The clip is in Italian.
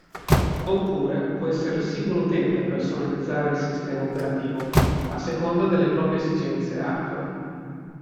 Oppure può essere il singolo utente a personalizzare il sistema operativo a seconda delle proprie esigenze hardware.